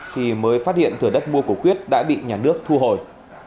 thì mới phát hiện thửa đất mua của quyết đã bị nhà nước thu hồi